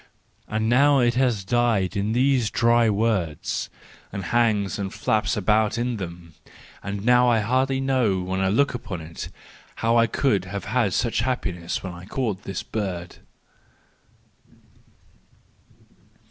And now it has died in these dry words, and hangs and flaps about in them—and I hardly know now, when I look upon it, how I could have had such happiness when I caught this bird.